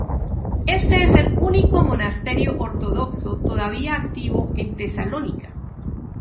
Este es el único monasterio ortodoxo todavía activo en Tesalónica.